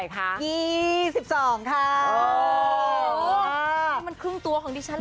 เจนอันนี้มันครึ่งตัวของดิฉันนะคะ